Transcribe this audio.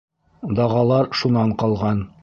Дағалар шунан ҡалған.